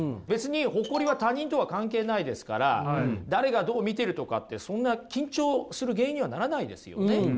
別に誇りは他人とは関係ないですから誰がどう見てるとかってそんな緊張する原因にはならないですよね。